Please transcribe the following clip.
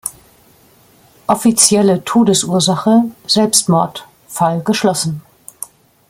Offizielle Todesursache: Selbstmord, Fall geschlossen.